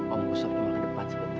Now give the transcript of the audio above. om gustaf cuma ke depan sebentar ya